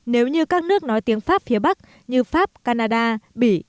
nếu như các nước nói tiếng pháp phía bắc như pháp canada bỉ